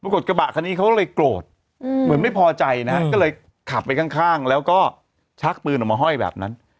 เขาก็เลยโกรธเหมือนไม่พอใจนะครับก็เลยขับไปข้างแล้วก็ชักปืนออกมาห้อยแบบนั้น